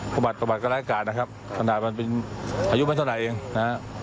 ประบัติประบัติก็ร้ายการนะครับสำหรับมันเป็นอายุไม่เท่าไหร่เองนะครับ